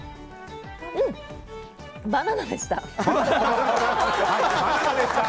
うん、バナナでした。